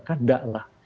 kan nggak lah